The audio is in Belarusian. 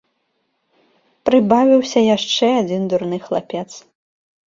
Прыбавіўся яшчэ адзін дурны хлапец.